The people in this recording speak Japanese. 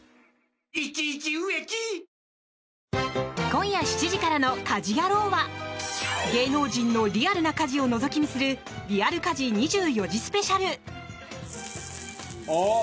今夜７時からの「家事ヤロウ！！！」は芸能人のリアルな家事をのぞき見するリアル家事２４時スペシャル。